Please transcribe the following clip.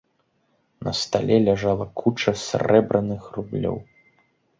На стале ляжала куча срэбраных рублёў.